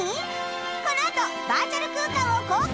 このあとバーチャル空間を公開